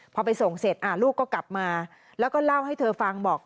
พอไปส่งเสร็จลูกก็กลับมาแล้วก็เล่าให้เธอฟังบอก